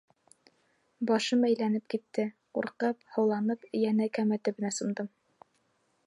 Башым әйләнеп китте, ҡурҡып, һыуланып, йәнә кәмә төбөнә сумдым.